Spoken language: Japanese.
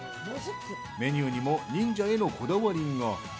メニューにも忍者へのこだわりが。